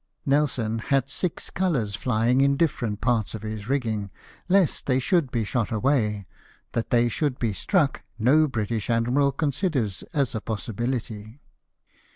Nelson had six colours flying in different parts of his rigging, lest they should be shot away — that they should be struck, no British admiral considers as a possibility.